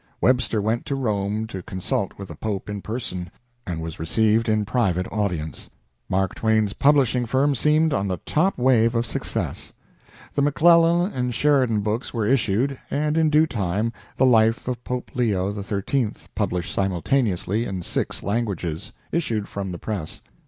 Webster went to Rome to consult with the Pope in person, and was received in private audience. Mark Twain's publishing firm seemed on the top wave of success. The McClellan and Sheridan books were issued, and, in due time, the Life of Pope Leo XIII. published simultaneously in six languages issued from the press.